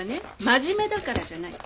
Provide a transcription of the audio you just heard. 真面目だからじゃない。